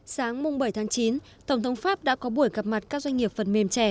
sáng bảy tháng chín tổng thống pháp đã có buổi gặp mặt các doanh nghiệp phần mềm trẻ